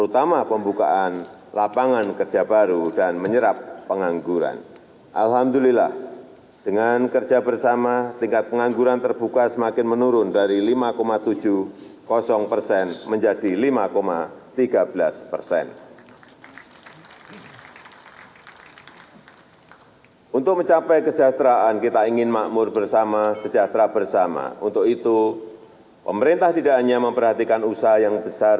tersebut tidak memiliki keseksan